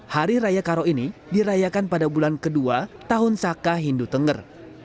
hari raya karo ini dirayakan pada bulan kedua tahun saka hindu tengger